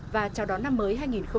và chào đón năm mới hai nghìn hai mươi